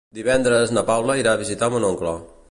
Divendres na Paula irà a visitar mon oncle.